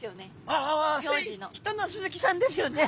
ああ人の鈴木さんですよね。